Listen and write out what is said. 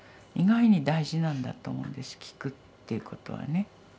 意外に大事なんだと思うんですきくということはね。